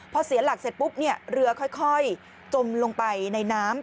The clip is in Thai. พอเสียหลักเสร็จปุ๊บเรือค่อยจมลงไปในน้ำ